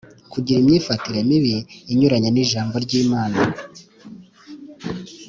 Kugira imyifatire mibi inyuranye n ijambo ry’imana